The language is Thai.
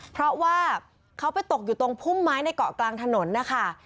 เพราะว่าเขาไปตกอยู่ตรงพุ่มไม้ในเกาะกลางถนนนะคะ